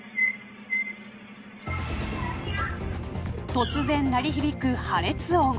突然鳴り響く破裂音。